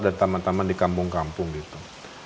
dan taman taman di kampung kampung gitu